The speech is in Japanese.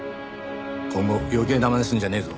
今後余計なまねするんじゃねえぞ。